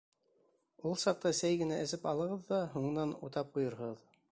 — Ул саҡта сәй генә эсеп алығыҙ ҙа, һуңынан утап ҡуйырһығыҙ.